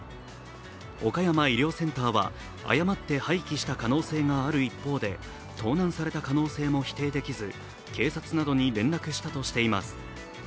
岡山医療センターは、誤って廃棄した可能性がある一方、盗難された可能性も否定できず警察などに連絡したとしています。